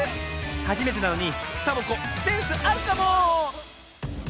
はじめてなのにサボ子センスあるかも。